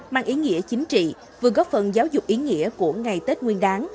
mang ý nghĩa chính trị vừa góp phần giáo dục ý nghĩa của ngày tết nguyên đáng